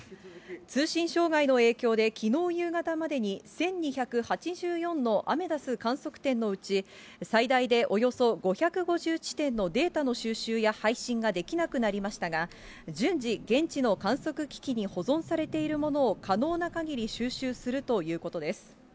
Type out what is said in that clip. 通信障害の影響できのう夕方までに、１２８４のアメダス観測点のうち、最大でおよそ５５０地点のデータの収集や配信ができなくなりましたが、順次、現地の観測機器に保存されているものを、可能なかぎり収集するということです。